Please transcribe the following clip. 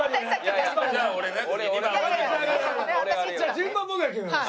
順番僕が決めます。